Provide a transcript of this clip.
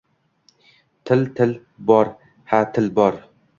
— Til? Til, bor, ha, til bor!